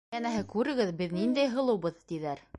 Йәнәһе: «Күрегеҙ, беҙ ниндәй һылыубыҙ!» -тиҙәр.